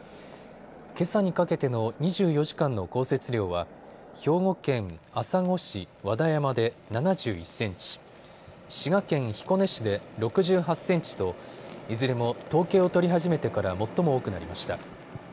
けさにかけての２４時間の降雪量は兵庫県朝来市和田山で７１センチ、滋賀県彦根市で６８センチといずれも統計を取り始めてから最も多くなりました。